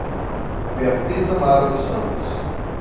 Beatriz Amaro dos Santos